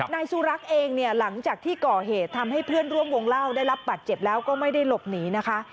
นายสุรักษ์เองเนี่ยหลังจากที่ก่อเหตุทำให้เพื่อนร่วมวงเล่าได้รับบัตรเจ็บแล้วก็ไม่ได้หลบหนีนะคะ